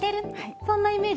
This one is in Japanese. そんなイメージ。